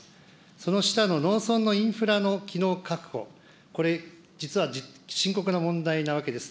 その下の農村のインフラの機能確保、これ、実は深刻な問題なわけです。